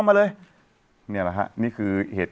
ปรากฏว่าจังหวัดที่ลงจากรถ